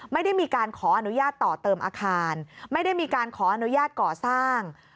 ไม่ได้มีการขออนุญาตต่อเติมอาคารไม่ได้มีการขออนุญาตก่อสร้าง